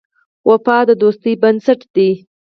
وفا د دوستۍ بنسټ دی.